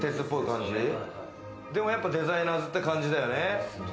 やっぱりデザイナーズって感じだよね。